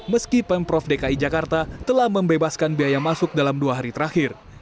meski pemprov dki jakarta telah membebaskan biaya masuk dalam dua hari terakhir